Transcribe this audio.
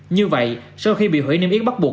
như vậy sau khi bị hủy niêm yết bắt buộc